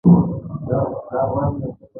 آیا د ځمکې بیه په پارکونو کې مناسبه ده؟